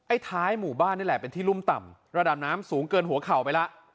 ท้ายหมู่บ้านนี่แหละเป็นที่รุ่มต่ำระดับน้ำสูงเกินหัวเข่าไปแล้ว